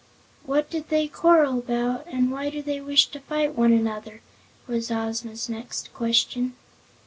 "What did they quarrel about, and why do they wish to fight one another?" was Ozma's next question.